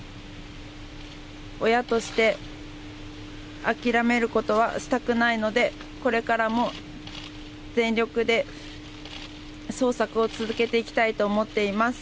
親として諦めることはしたくないので、これからも全力で捜索を続けていきたいと思っています。